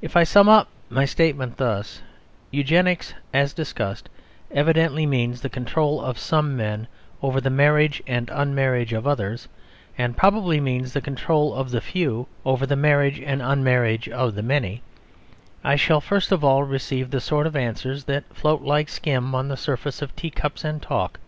If I sum up my statement thus: "Eugenics, as discussed, evidently means the control of some men over the marriage and unmarriage of others; and probably means the control of the few over the marriage and unmarriage of the many," I shall first of all receive the sort of answers that float like skim on the surface of teacups and talk.